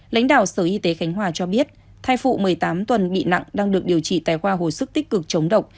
lãnh đạo sở y tế khánh hòa cho biết thai phụ một mươi tám tuần bị nặng đang được điều trị tại khoa hồi sức tích cực chống độc